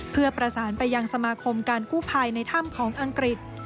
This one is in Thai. เพื่อประสานไปยังสมาคมการกู้ภัยในถ้ำของอังกฤษ